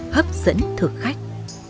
hấp dẫn thử khách